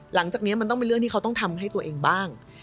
หลังจากนี้มันต้องเป็นเรื่องที่เขาต้องทำให้ตัวเองบ้าง